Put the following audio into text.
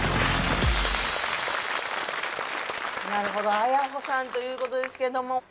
なるほどａｙａｈｏさんということですけれども。